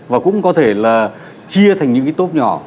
và cũng có thể là chia thành những cái tốp nhỏ